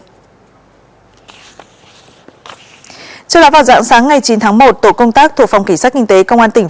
trước đó vào dạng sáng ngày chín tháng một tổ công tác thuộc phòng cảnh sát kinh tế công an tỉnh